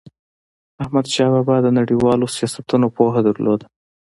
احمدشاه بابا د نړیوالو سیاستونو پوهه درلوده.